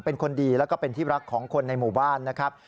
เป็นคนดีแล้วก็เป็นที่รักของคนในหมู่บ้านนะครับ